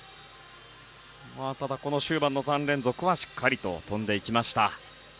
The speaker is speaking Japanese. ただ、この終盤の３連続はしっかりと跳んでいきました。